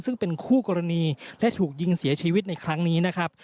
ซึ่งเป็นคู่กรณีและถูกยิงเสียชีวิตในครั้งนี้นะครับ